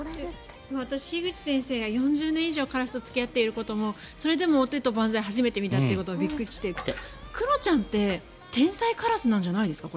樋口先生が４０年近くカラスと付き合っていてもそれでも、お手と万歳を初めて見たということにびっくりしてクロちゃんって天才カラスなんじゃないですか？